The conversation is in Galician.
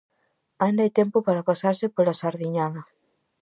Aínda hai tempo para pasarse pola sardiñada.